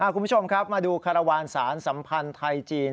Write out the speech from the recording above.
คุณผู้ชมครับมาดูคารวาลสารสัมพันธ์ไทยจีน